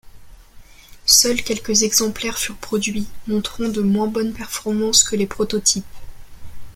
Seuls quelques exemplaires furent produits, montrant de moins bonnes performances que les prototypes.